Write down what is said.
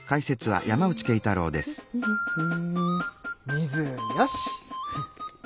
水よし！